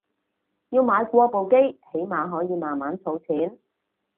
要買過部機起碼可以慢慢儲錢